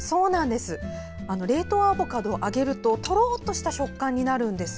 冷凍アボカドを揚げるととろっとした食感になるんです。